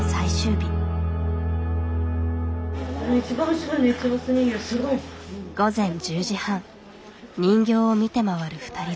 午前１０時半人形を見て回る２人連れ。